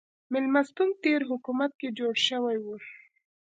مېلمستون تېر حکومت کې جوړ شوی و.